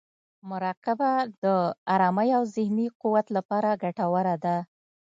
مراقبه د ارامۍ او ذهني قوت لپاره ګټوره ده.